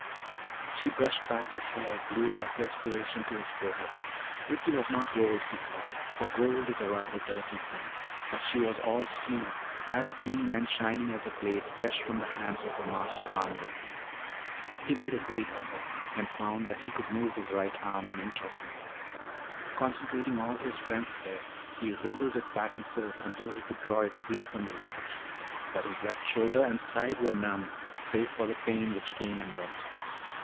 She brushed back the hair glued by perspiration to his forehead. Ricky was not gold, he thought, for gold is a rather dirty thing. But she was all steel, as clean and shining as a blade fresh from the hands of a master armorer. He made a great effort and found that he could move his right arm an inch or two. Concentrating all his strength there, he wriggled it back and forth until he could draw it free from the wreckage. But his left shoulder and side were numb save for the pain which came and went.